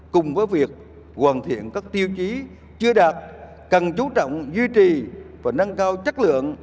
cùng với việc hoàn thiện các tiêu chí chưa đạt cần chú trọng duy trì và nâng cao chất lượng